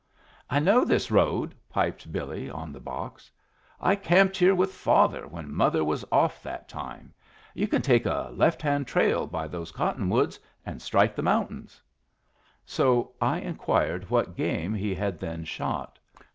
"I know this road," piped Billy, on the box "'I camped here with father when mother was off that time. You can take a left hand trail by those cottonwoods and strike the mountains." So I inquired what game he had then shot.